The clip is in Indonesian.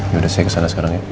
yaudah saya kesana sekarang ya